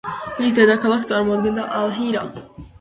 მის დედაქალაქს წარმოადგენდა ალ-ჰირა.